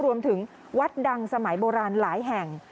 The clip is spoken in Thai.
รวมถึงวัดดังสมัยโบราณหลายแห่ง